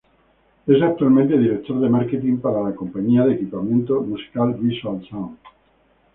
Es actualmente Director de Marketing para la compañía de equipamiento musical, Visual Sound.